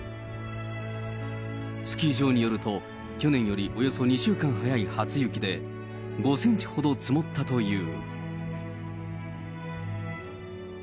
スキー場によると、去年よりおよそ２週間早い初雪で、５センチほど積もったという。